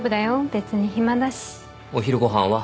別に暇だしお昼ご飯は？